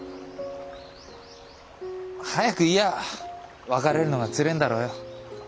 早く言やあ別れるのがつれえんだろうよ。